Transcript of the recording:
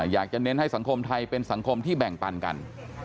อยากจะเน้นให้สังคมไทยเป็นสังคมที่แบ่งปันกัน